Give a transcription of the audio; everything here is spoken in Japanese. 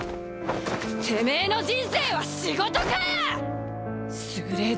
てめぇの人生は仕事かよ！